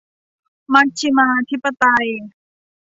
มัชฌิมาธิปไตย